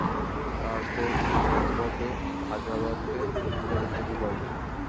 তারপর, তুই নিরাপদে হায়দ্রাবাদে ফেরত যেতে পারবি।